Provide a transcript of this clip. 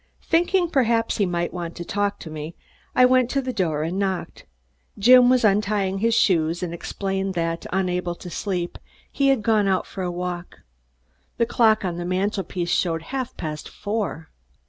Thinking perhaps he might want me with him, I went to his door and knocked. Jim was untying his shoes and explained that, unable to sleep, he had gone out for a walk. The clock on the mantel piece showed half past four.